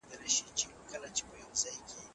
طبیعي سرچینې د ټولو خلګو مال دی.